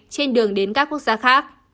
trên đường đến các quốc gia khác